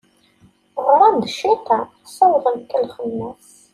Ɣran d cciṭan, sawḍen kellxen-as.